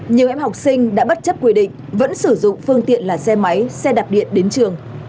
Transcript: nhiều em học sinh đã bất chấp quy định vẫn sử dụng phương tiện là xe máy xe đạp điện đến trường